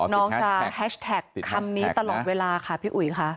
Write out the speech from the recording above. น้องจะแฮชแท็กคำนี้ตลอดเวลาค่ะพี่อุ๋ยค่ะ